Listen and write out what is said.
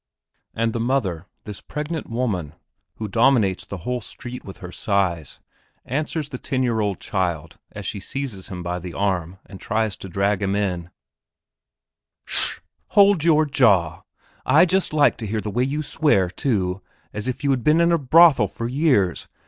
And the mother, this pregnant woman, who dominates the whole street with her size, answers the ten year old child, as she seizes him by the arm and tries to drag him in: "Sh sh. Hold your jaw! I just like to hear the way you swear, too, as if you had been in a brothel for years.